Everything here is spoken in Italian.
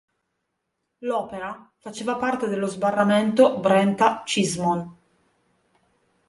L'opera faceva parte dello sbarramento Brenta-Cismon.